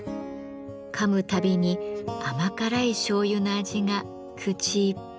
かむたびに甘辛いしょうゆの味が口いっぱい広がります。